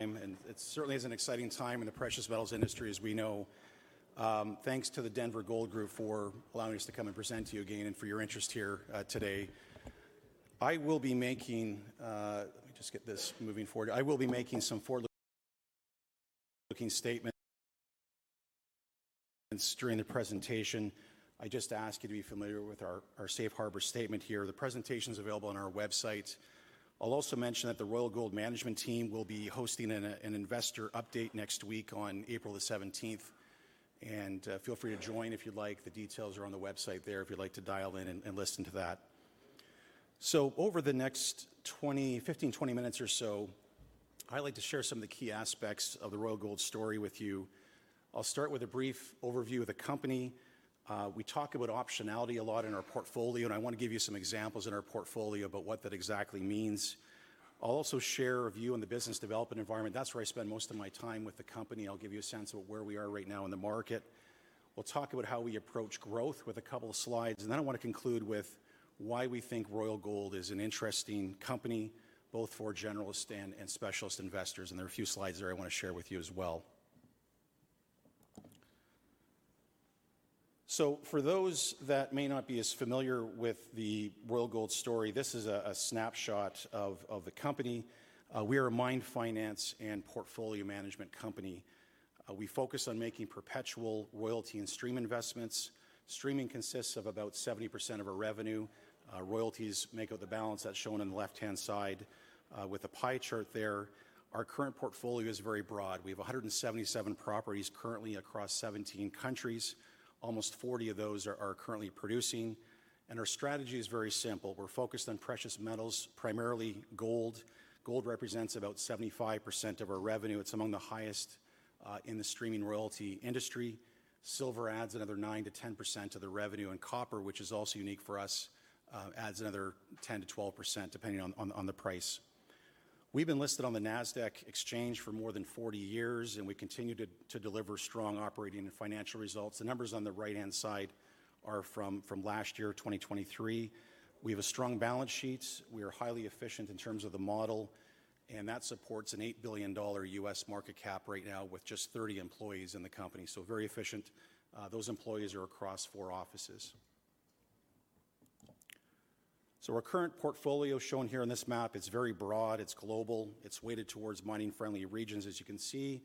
It certainly is an exciting time in the precious metals industry, as we know. Thanks to the Denver Gold Group for allowing us to come and present to you again, and for your interest here today. I will be making some forward-looking statements during the presentation. I just ask you to be familiar with our safe harbor statement here. The presentation's available on our website. I'll also mention that the Royal Gold management team will be hosting an investor update next week on April the 17th, and feel free to join if you'd like. The details are on the website there, if you'd like to dial in and listen to that. So over the next 20, 15, 20 minutes or so, I'd like to share some of the key aspects of the Royal Gold story with you. I'll start with a brief overview of the company. We talk about optionality a lot in our portfolio, and I wanna give you some examples in our portfolio about what that exactly means. I'll also share a view on the business development environment. That's where I spend most of my time with the company. I'll give you a sense of where we are right now in the market. We'll talk about how we approach growth with a couple of slides, and then I wanna conclude with why we think Royal Gold is an interesting company, both for generalist and, and specialist investors, and there are a few slides there I wanna share with you as well. So for those that may not be as familiar with the Royal Gold story, this is a snapshot of the company. We are a mine finance and portfolio management company. We focus on making perpetual royalty and stream investments. Streaming consists of about 70% of our revenue. Royalties make up the balance. That's shown on the left-hand side with the pie chart there. Our current portfolio is very broad. We have 177 properties currently across 17 countries. Almost 40 of those are currently producing, and our strategy is very simple. We're focused on precious metals, primarily gold. Gold represents about 75% of our revenue. It's among the highest in the streaming royalty industry. Silver adds another 9%-10% of the revenue, and copper, which is also unique for us, adds another 10%-12%, depending on the price. We've been listed on the NASDAQ Exchange for more than 40 years, and we continue to deliver strong operating and financial results. The numbers on the right-hand side are from last year, 2023. We have a strong balance sheet. We are highly efficient in terms of the model, and that supports an $8 billion U.S. market cap right now with just 30 employees in the company, so very efficient. Those employees are across 4 offices. So our current portfolio, shown here on this map, it's very broad, it's global, it's weighted towards mining-friendly regions, as you can see.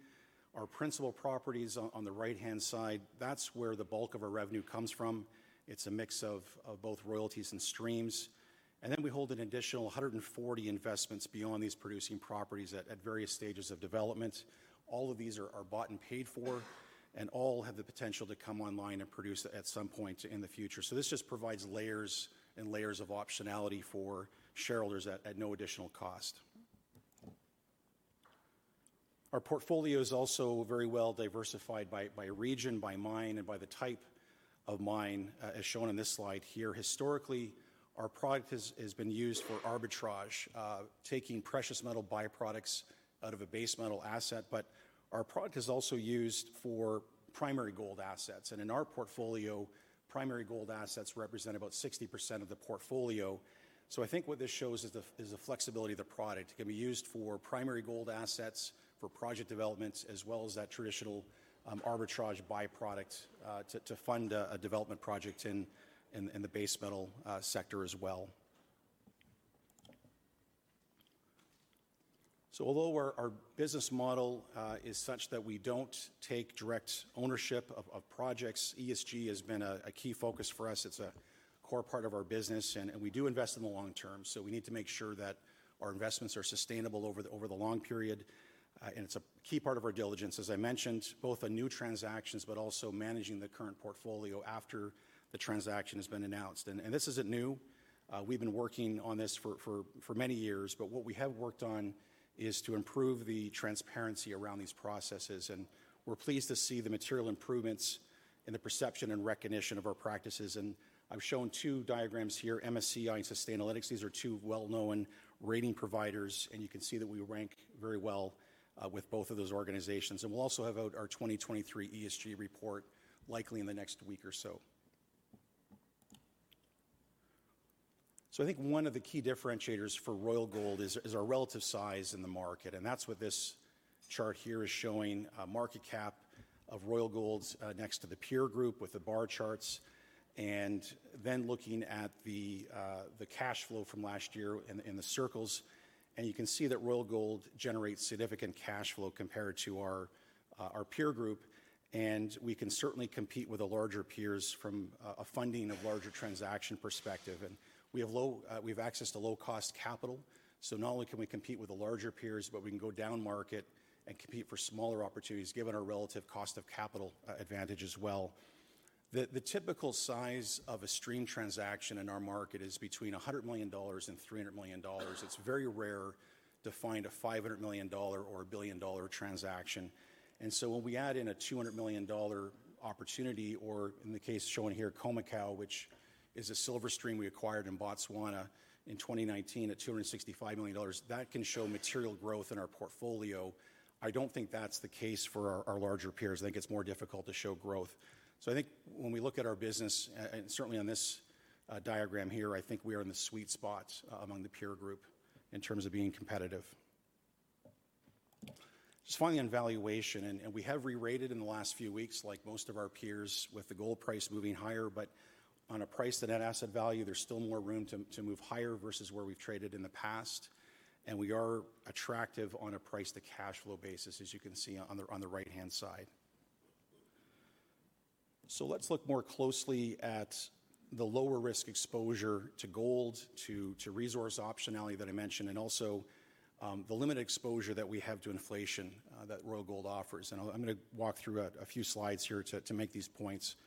Our principal properties on the right-hand side, that's where the bulk of our revenue comes from. It's a mix of both royalties and streams. And then we hold an additional 140 investments beyond these producing properties at various stages of development. All of these are bought and paid for, and all have the potential to come online and produce at some point in the future. So this just provides layers and layers of optionality for shareholders at no additional cost. Our portfolio is also very well-diversified by region, by mine, and by the type of mine, as shown on this slide here. Historically, our product has been used for arbitrage, taking precious metal byproducts out of a base metal asset, but our product is also used for primary gold assets, and in our portfolio, primary gold assets represent about 60% of the portfolio. So I think what this shows is the flexibility of the product. It can be used for primary gold assets, for project developments, as well as that traditional arbitrage byproduct to fund a development project in the base metal sector as well. So although our business model is such that we don't take direct ownership of projects, ESG has been a key focus for us. It's a core part of our business, and we do invest in the long term, so we need to make sure that our investments are sustainable over the long period, and it's a key part of our diligence, as I mentioned, both on new transactions, but also managing the current portfolio after the transaction has been announced. And this isn't new. We've been working on this for many years, but what we have worked on is to improve the transparency around these processes, and we're pleased to see the material improvements in the perception and recognition of our practices. And I've shown two diagrams here, MSCI and Sustainalytics. These are two well-known rating providers, and you can see that we rank very well with both of those organizations. We'll also have out our 2023 ESG report, likely in the next week or so. I think one of the key differentiators for Royal Gold is our relative size in the market, and that's what this chart here is showing, market cap of Royal Gold's next to the peer group with the bar charts, and then looking at the cash flow from last year in the circles. You can see that Royal Gold generates significant cash flow compared to our peer group, and we can certainly compete with the larger peers from a funding of larger transaction perspective. We have access to low-cost capital, so not only can we compete with the larger peers, but we can go downmarket and compete for smaller opportunities, given our relative cost of capital advantage as well. The typical size of a stream transaction in our market is between $100 million and $300 million. It's very rare to find a $500 million or a $1 billion transaction. And so when we add in a $200 million opportunity, or in the case shown here, Khoemacau, which is a silver stream we acquired in Botswana in 2019 at $265 million, that can show material growth in our portfolio. I don't think that's the case for our larger peers. I think it's more difficult to show growth. So I think when we look at our business, and certainly on this diagram here, I think we are in the sweet spot among the peer group in terms of being competitive. Just finally, on valuation, and, and we have re-rated in the last few weeks, like most of our peers, with the gold price moving higher, but on a price to net asset value, there's still more room to, to move higher versus where we've traded in the past, and we are attractive on a price to cash flow basis, as you can see on the, on the right-hand side. So let's look more closely at the lower risk exposure to gold, to, to resource optionality that I mentioned, and also, the limited exposure that we have to inflation, that Royal Gold offers. And I'm gonna walk through a few slides here to make these points.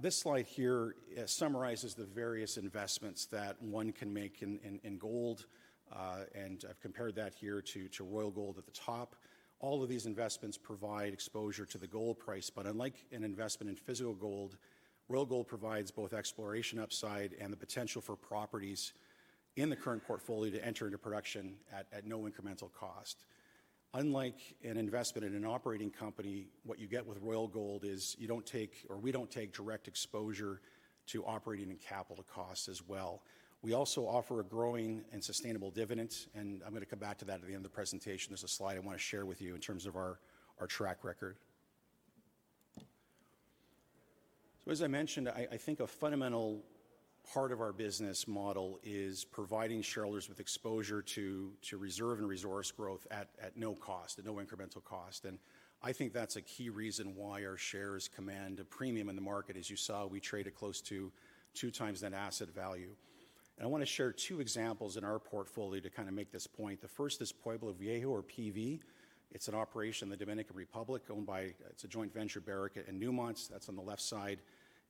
This slide here summarizes the various investments that one can make in gold, and I've compared that here to Royal Gold at the top. All of these investments provide exposure to the gold price, but unlike an investment in physical gold, Royal Gold provides both exploration upside and the potential for properties in the current portfolio to enter into production at no incremental cost. Unlike an investment in an operating company, what you get with Royal Gold is, you don't take, or we don't take direct exposure to operating and capital costs as well. We also offer a growing and sustainable dividend, and I'm gonna come back to that at the end of the presentation. There's a slide I wanna share with you in terms of our track record. So as I mentioned, I think a fundamental part of our business model is providing shareholders with exposure to reserve and resource growth at no cost, at no incremental cost, and I think that's a key reason why our shares command a premium in the market. As you saw, we traded close to two times net asset value. I wanna share two examples in our portfolio to kinda make this point. The first is Pueblo Viejo, or PV. It's an operation in the Dominican Republic owned by... It's a joint venture, Barrick and Newmont, that's on the left side,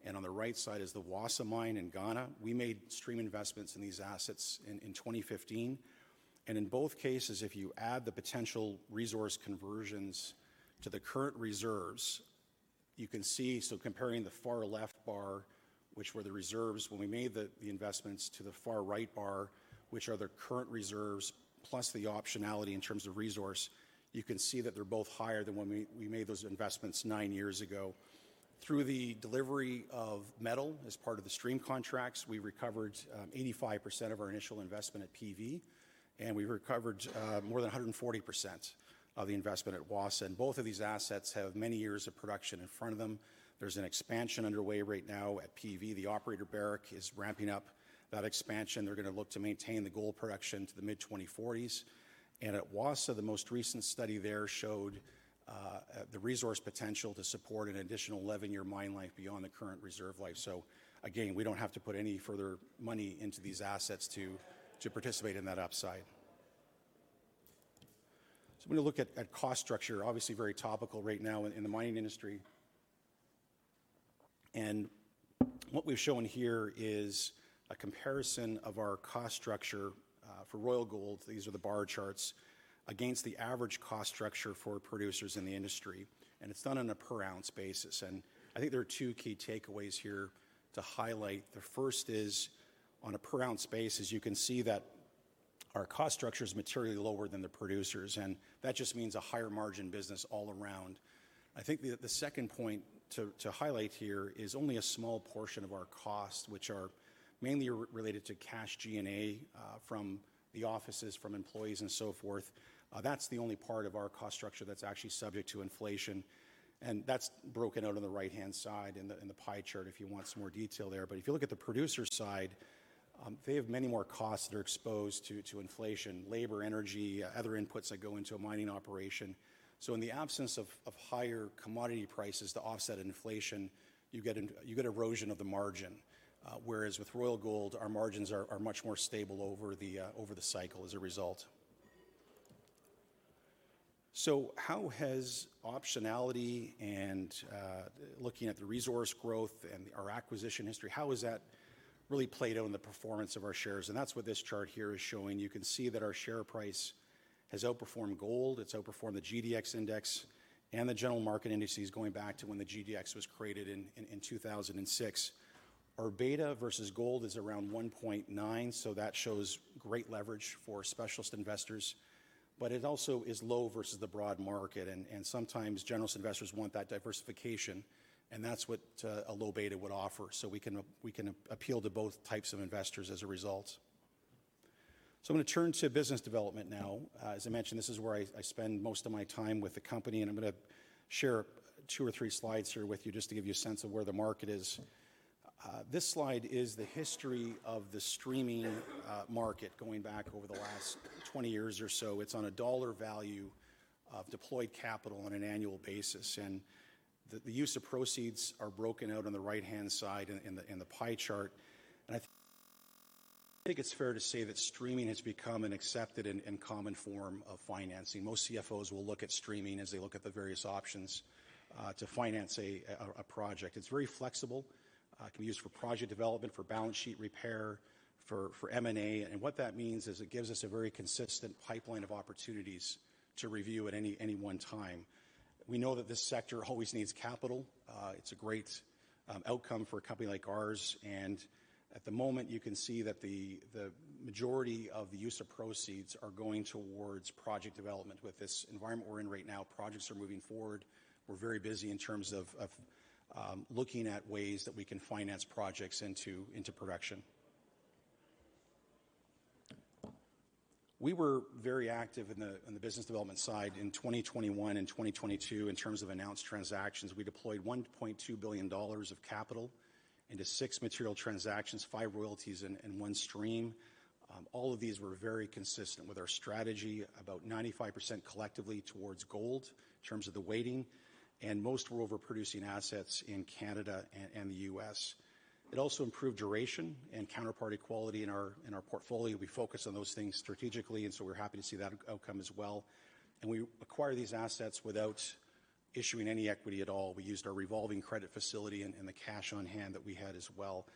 and on the right side is the Wassa Mine in Ghana. We made stream investments in these assets in 2015, and in both cases, if you add the potential resource conversions to the current reserves, you can see, so comparing the far left bar, which were the reserves when we made the investments, to the far right bar, which are the current reserves, plus the optionality in terms of resource, you can see that they're both higher than when we made those investments nine years ago. Through the delivery of metal as part of the stream contracts, we recovered 85% of our initial investment at PV, and we recovered more than 140% of the investment at Wassa, and both of these assets have many years of production in front of them. There's an expansion underway right now at PV. The operator, Barrick, is ramping up that expansion. They're gonna look to maintain the gold production to the mid-2040s. And at Wassa, the most recent study there showed the resource potential to support an additional 11-year mine life beyond the current reserve life. So again, we don't have to put any further money into these assets to participate in that upside. So I'm gonna look at cost structure, obviously very topical right now in the mining industry. And what we've shown here is a comparison of our cost structure for Royal Gold, these are the bar charts, against the average cost structure for producers in the industry, and it's done on a per-ounce basis. And I think there are two key takeaways here to highlight. The first is, on a per-ounce basis, you can see that our cost structure is materially lower than the producers, and that just means a higher margin business all around. I think the second point to highlight here is only a small portion of our costs, which are mainly related to cash G&A, from the offices, from employees, and so forth, that's the only part of our cost structure that's actually subject to inflation, and that's broken out on the right-hand side in the pie chart, if you want some more detail there. But if you look at the producer side, they have many more costs that are exposed to inflation, labor, energy, other inputs that go into a mining operation. So in the absence of higher commodity prices to offset inflation, you get in, you get erosion of the margin, whereas with Royal Gold, our margins are much more stable over the cycle as a result. So how has optionality and looking at the resource growth and our acquisition history, how has that really played out in the performance of our shares? And that's what this chart here is showing. You can see that our share price has outperformed gold, it's outperformed the GDX index and the general market indices going back to when the GDX was created in 2006. Our beta versus gold is around 1.9, so that shows great leverage for specialist investors, but it also is low versus the broad market, and sometimes general investors want that diversification, and that's what a low beta would offer. So we can appeal to both types of investors as a result. So I'm gonna turn to business development now. As I mentioned, this is where I spend most of my time with the company, and I'm gonna share two or three slides here with you, just to give you a sense of where the market is. This slide is the history of the streaming market going back over the last 20 years or so. It's on a dollar value of deployed capital on an annual basis, and the use of proceeds are broken out on the right-hand side in the pie chart. I think it's fair to say that streaming has become an accepted and common form of financing. Most CFOs will look at streaming as they look at the various options to finance a project. It's very flexible, it can be used for project development, for balance sheet repair, for M&A, and what that means is it gives us a very consistent pipeline of opportunities to review at any one time. We know that this sector always needs capital. It's a great outcome for a company like ours, and... At the moment, you can see that the majority of the use of proceeds are going towards project development. With this environment we're in right now, projects are moving forward. We're very busy in terms of looking at ways that we can finance projects into production. We were very active in the business development side in 2021 and 2022 in terms of announced transactions. We deployed $1.2 billion of capital into 6 material transactions, 5 royalties and one stream. All of these were very consistent with our strategy, about 95% collectively towards gold in terms of the weighting, and most were over producing assets in Canada and the U.S. It also improved duration and counterparty quality in our portfolio. We focus on those things strategically, and so we're happy to see that outcome as well. We acquire these assets without issuing any equity at all. We used our revolving credit facility and the cash on hand that we had as well.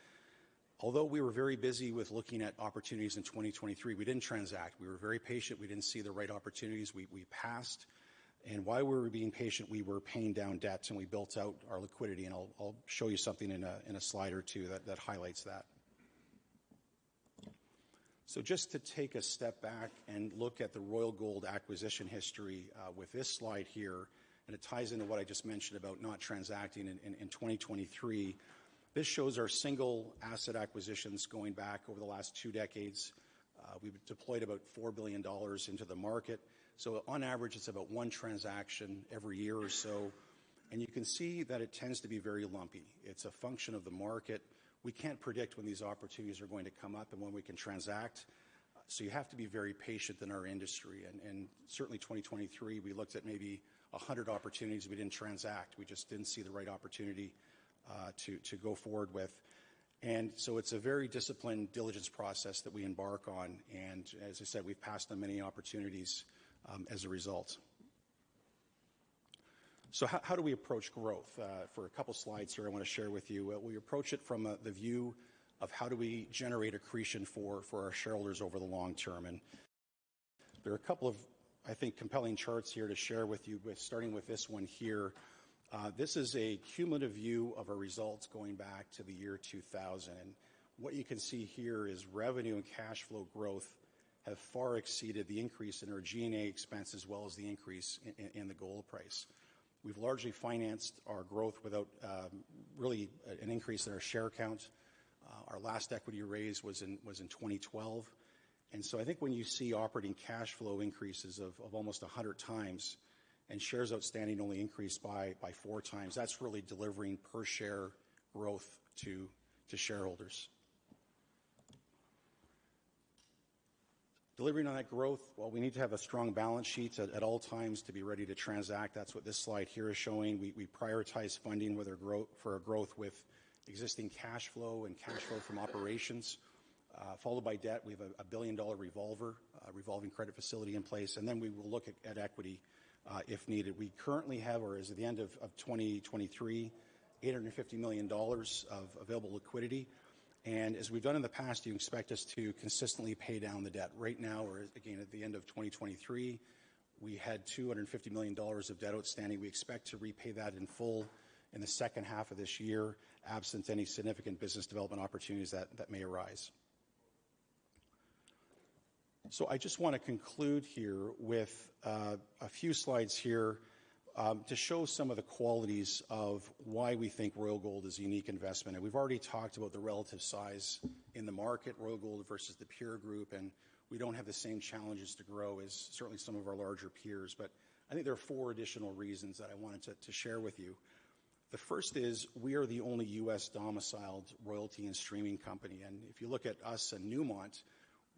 Although we were very busy with looking at opportunities in 2023, we didn't transact. We were very patient. We didn't see the right opportunities. We passed. And while we were being patient, we were paying down debts, and we built out our liquidity, and I'll show you something in a slide or two that highlights that. So just to take a step back and look at the Royal Gold acquisition history with this slide here, and it ties into what I just mentioned about not transacting in 2023. This shows our single asset acquisitions going back over the last two decades. We've deployed about $4 billion into the market. So on average, it's about one transaction every year or so, and you can see that it tends to be very lumpy. It's a function of the market. We can't predict when these opportunities are going to come up and when we can transact, so you have to be very patient in our industry. And certainly 2023, we looked at maybe 100 opportunities we didn't transact. We just didn't see the right opportunity to go forward with. And so it's a very disciplined diligence process that we embark on, and as I said, we've passed on many opportunities as a result. So how do we approach growth? For a couple slides here I wanna share with you, we approach it from the view of how do we generate accretion for our shareholders over the long term? There are a couple of, I think, compelling charts here to share with you, starting with this one here. This is a cumulative view of our results going back to the year 2000. What you can see here is revenue and cash flow growth have far exceeded the increase in our G&A expense, as well as the increase in the gold price. We've largely financed our growth without really an increase in our share count. Our last equity raise was in 2012, and so I think when you see operating cash flow increases of almost 100 times and shares outstanding only increased by four times, that's really delivering per share growth to shareholders. Delivering on that growth, well, we need to have a strong balance sheet at all times to be ready to transact. That's what this slide here is showing. We prioritize funding with our growth—for our growth with existing cash flow and cash flow from operations, followed by debt. We have a billion-dollar revolver, revolving credit facility in place, and then we will look at equity, if needed. We currently have, or as of the end of 2023, $850 million of available liquidity, and as we've done in the past, you expect us to consistently pay down the debt. Right now, or again, at the end of 2023, we had $250 million of debt outstanding. We expect to repay that in full in the second half of this year, absent any significant business development opportunities that, that may arise. So I just wanna conclude here with a few slides here to show some of the qualities of why we think Royal Gold is a unique investment. We've already talked about the relative size in the market, Royal Gold versus the peer group, and we don't have the same challenges to grow as certainly some of our larger peers. But I think there are four additional reasons that I wanted to, to share with you. The first is, we are the only U.S.-domiciled royalty and streaming company, and if you look at us and Newmont,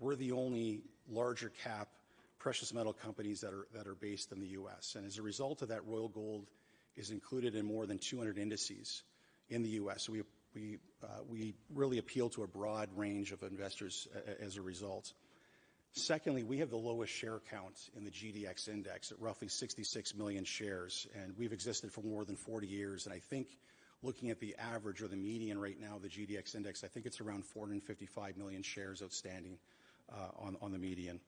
we're the only larger cap precious metal companies that are, that are based in the U.S. And as a result of that, Royal Gold is included in more than 200 indices in the U.S., so we really appeal to a broad range of investors as a result. Secondly, we have the lowest share count in the GDX index at roughly 66 million shares, and we've existed for more than 40 years. And I think looking at the average or the median right now, the GDX index, I think it's around 455 million shares outstanding on the median.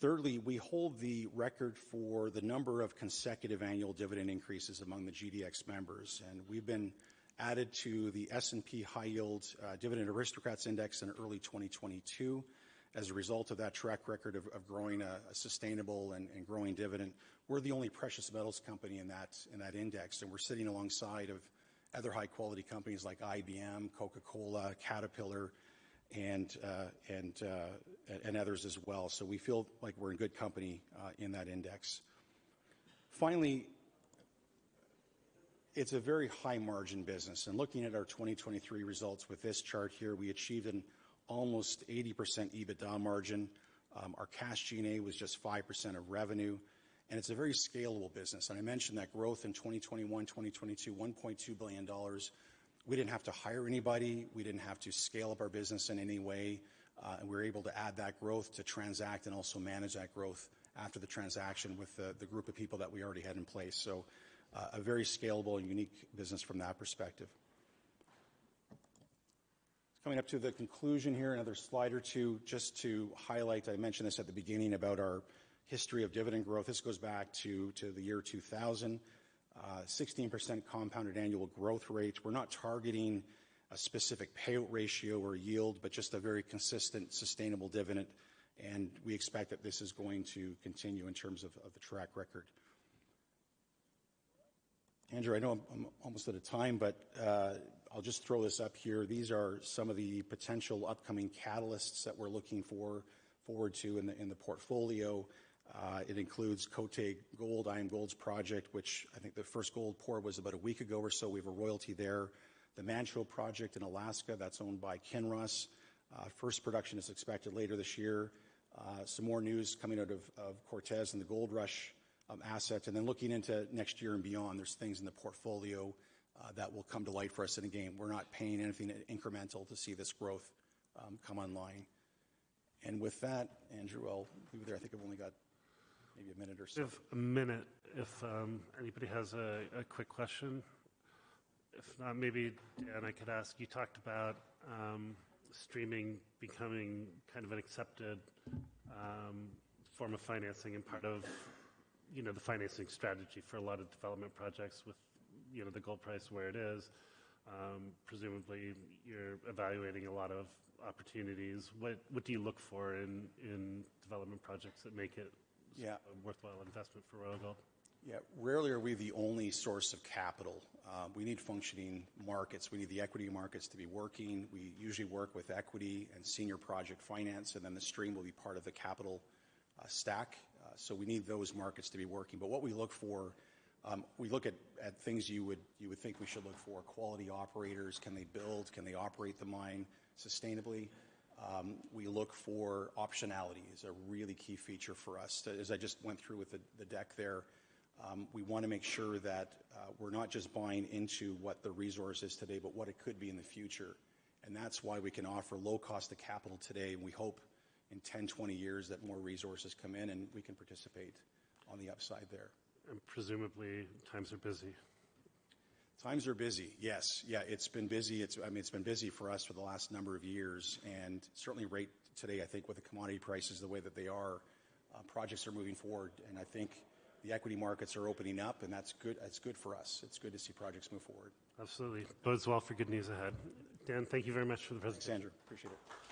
Thirdly, we hold the record for the number of consecutive annual dividend increases among the GDX members, and we've been added to the S&P High Yield Dividend Aristocrats Index in early 2022. As a result of that track record of growing a sustainable and growing dividend, we're the only precious metals company in that index, and we're sitting alongside of other high-quality companies like IBM, Coca-Cola, Caterpillar, and others as well. So we feel like we're in good company in that index. Finally, it's a very high-margin business, and looking at our 2023 results with this chart here, we achieved an almost 80% EBITDA margin. Our cash G&A was just 5% of revenue, and it's a very scalable business. And I mentioned that growth in 2021, 2022, $1.2 billion. We didn't have to hire anybody. We didn't have to scale up our business in any way, and we were able to add that growth to transact and also manage that growth after the transaction with the group of people that we already had in place. So, a very scalable and unique business from that perspective. Coming up to the conclusion here, another slide or two, just to highlight, I mentioned this at the beginning, about our history of dividend growth. This goes back to the year 2000. 16% compounded annual growth rate. We're not targeting a specific payout ratio or yield, but just a very consistent, sustainable dividend, and we expect that this is going to continue in terms of the track record. Andrew, I know I'm almost out of time, but I'll just throw this up here. These are some of the potential upcoming catalysts that we're looking forward to in the portfolio. It includes Côté Gold, IAMGOLD's project, which I think the first gold pour was about a week ago or so. We have a royalty there. The Manh Choh project in Alaska, that's owned by Kinross. First production is expected later this year. Some more news coming out of Cortez and the Goldrush asset. And then looking into next year and beyond, there's things in the portfolio that will come to light for us in a game. We're not paying anything incremental to see this growth come online. And with that, Andrew, I'll leave it there. I think I've only got maybe a minute or so. We have a minute if anybody has a quick question. If not, maybe, Dan, I could ask, you talked about streaming becoming kind of an accepted form of financing and part of, you know, the financing strategy for a lot of development projects with, you know, the gold price where it is. Presumably, you're evaluating a lot of opportunities. What do you look for in development projects that make it- Yeah a worthwhile investment for Royal Gold? Yeah. Rarely are we the only source of capital. We need functioning markets. We need the equity markets to be working. We usually work with equity and senior project finance, and then the stream will be part of the capital stack. So we need those markets to be working. But what we look for, we look at things you would think we should look for: quality operators, can they build? Can they operate the mine sustainably? We look for optionality is a really key feature for us. As I just went through with the deck there, we wanna make sure that we're not just buying into what the resource is today, but what it could be in the future. That's why we can offer low cost of capital today, and we hope in 10, 20 years, that more resources come in, and we can participate on the upside there. Presumably, times are busy. Times are busy. Yes. Yeah, it's been busy. It's, I mean, it's been busy for us for the last number of years, and certainly right today, I think with the commodity prices, the way that they are, projects are moving forward. And I think the equity markets are opening up, and that's good. That's good for us. It's good to see projects move forward. Absolutely. Bodes well for good news ahead. Dan, thank you very much for the presentation. Thanks, Andrew. Appreciate it.